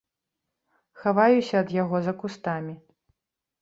Хаваюся ад яго за кустамі.